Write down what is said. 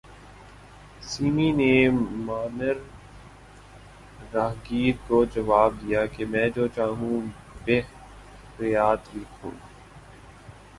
semi نے معمر راہگیر کو جواب دیا کہ میں جو چاہوں بہ رعایت لکھوں